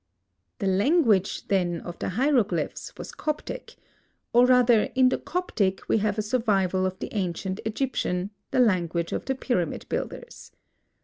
The language, then, of the Hieroglyphs was Coptic, or rather in the Coptic we have a survival of the ancient Egyptian, the language of the pyramid builders.